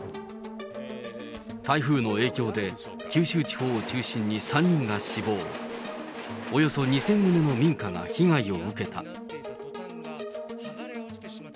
台風の影響で、九州地方を中心に３人が死亡、およそ２０００棟の民家が被害を受けた。